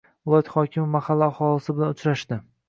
Viloyat hokimi mahalla aholisi bilan uchrashdi